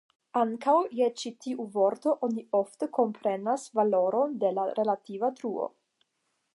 Ankaŭ je ĉi tiu vorto oni ofte komprenas valoron de la relativa truo.